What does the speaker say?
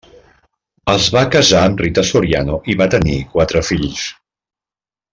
Es va casar amb Rita Soriano i va tenir quatre fills.